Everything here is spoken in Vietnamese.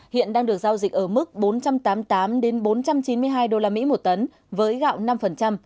hiện đang được giao dịch ở mức bốn trăm tám mươi tám bốn trăm chín mươi hai usd một tấn với gạo năm